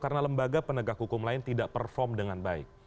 karena lembaga penegak hukum lain tidak perform dengan baik